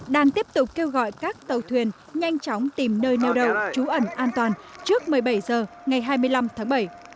đang tiếp tục kêu gọi các tàu thuyền nhanh chóng tìm nơi neo đậu trú ẩn an toàn trước một mươi bảy h ngày hai mươi năm tháng bảy